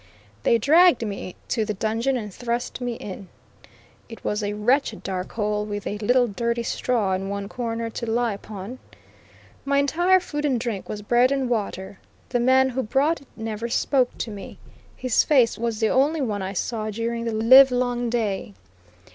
They dragged me to the dungeon and thrust me in. It was a wretched dark hole, with a little dirty straw in one corner to lie upon. My entire food and drink was bread and water. The man who brought it never spoke to me. His face was the only one I saw during the livelong day.